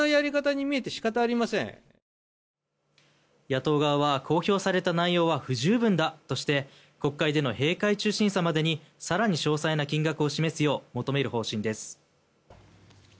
野党側は公表された内容は不十分だとして国会での閉会中審査までに更に詳細な金額を示すよう求める方針です。